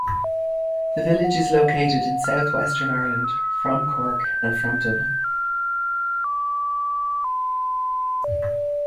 The village is located in south-western Ireland, from Cork and from Dublin.